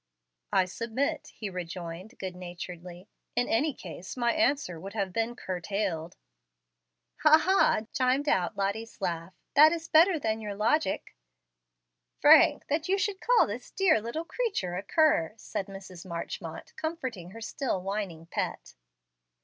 '" "I submit," he rejoined, good naturedly. "In any case my answer would have been CURTAILED" "Ha, ha!" chimed out Lottie's laugh. "That is better than your logic." "Frank! that you should call this dear little creature a cur!" said Mrs. Marchmont, comforting her still whining pet.